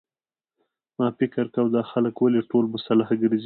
ما فکر کاوه دا خلک ولې ټول مسلح ګرځي.